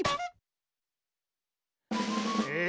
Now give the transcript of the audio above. え